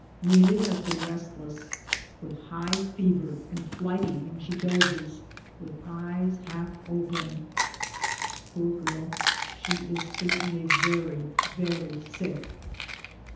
Neelie has been restless with high fever and flighty when she dozes; with eyes half open, poor girl she is certainly very, very sick.